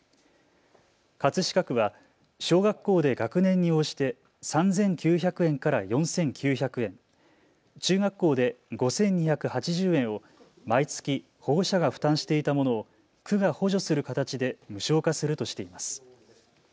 葛飾区は小学校で学年に応じて３９００円から４９００円、中学校で５２８０円を毎月、保護者が負担していたものを区が補助する形で無償化するとしています。